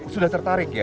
sudah tertarik ya